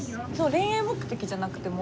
恋愛目的じゃなくても。